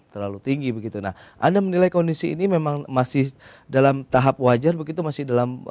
terlalu tinggi begitu nah anda menilai kondisi ini memang masih dalam tahap wajar begitu masih dalam